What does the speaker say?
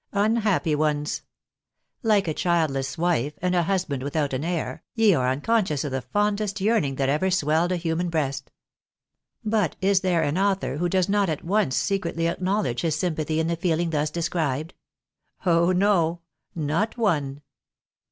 Unhappy ones ! Like a childless wife, and a husband without an heir, ye are unconscious of the fondest yearning that ever swelled a hiunaa breast ! But is there an author who does not at once secretly acknowledge his sympathy in the feehng thus described ! Oh no ! not one.